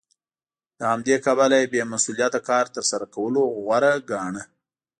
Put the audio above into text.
له همدې کبله یې بې مسوولیته کار تر سره کولو غوره ګاڼه